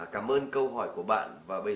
cảm ơn câu hỏi của bạn